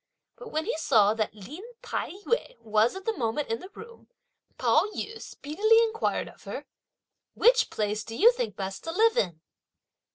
But when he saw that Lin Tai yü was at the moment in the room, Pao yü speedily inquired of her: "Which place do you think best to live in?"